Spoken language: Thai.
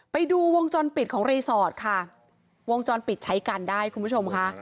ไปดูวงจรปิดของรีสอร์ทค่ะวงจรปิดใช้กันได้คุณผู้ชมค่ะ